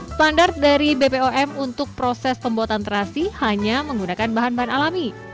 standar dari bpom untuk proses pembuatan terasi hanya menggunakan bahan bahan alami